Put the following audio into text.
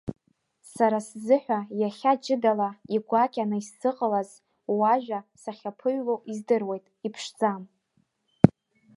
Сара сзыҳәа иахьа ҷыдала игәакьаны исзыҟалаз, уажәа сахьаԥыҩло издыруеит, иԥшӡам.